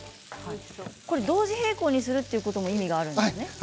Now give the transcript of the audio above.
同時並行にすることにも意味があるんですね。